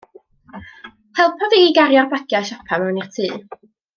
Helpa fi i gario'r bagiau siopa mewn i'r tŷ.